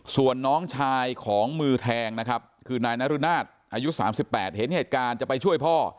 ส่วนน้องชายของมือแทงนะครับคือนายนรุนาศอายุ๓๘เห็นเหตุการณ์จะไปช่วยพ่อ